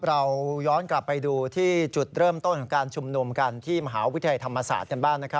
เราย้อนกลับไปดูที่จุดเริ่มต้นของการชุมนุมกันที่มหาวิทยาลัยธรรมศาสตร์กันบ้างนะครับ